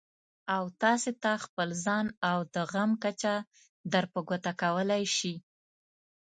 او تاسې ته خپل ځان او د زغم کچه در په ګوته کولای شي.